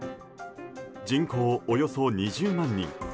人口およそ２０万人。